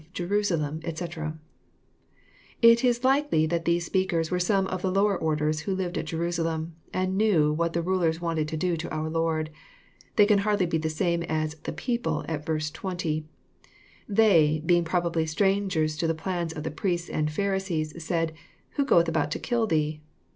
Jerusalem, etc."] It Is likely that these speakers were some of the lower orders who lived at Jerusalem, and knew what the rulers wanted to do to our Lord. They can hardly be the same as the people " at 20th verse. TheyjJ>eing probably strangers to the plans of the priests and Pharisees, said, "who goeth about to kill Thee?"